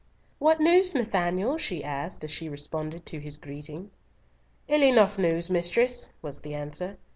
"What news, Nathanael?" she asked, as she responded to his greeting. "Ill enough news, mistress," was the answer.